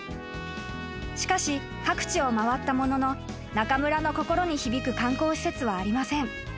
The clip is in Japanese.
［しかし各地を回ったものの中村の心に響く観光施設はありません］